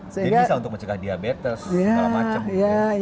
jadi bisa untuk mencegah diabetes segala macam